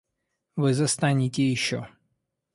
Вы застанете еще.